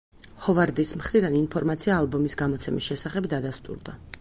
ჰოვარდის მხრიდან ინფორმაცია ალბომის გამოცემის შესახებ დადასტურდა.